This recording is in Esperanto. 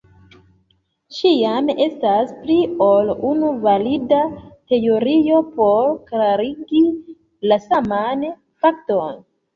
Ĉiam estas pli ol unu valida teorio por klarigi la saman fakton.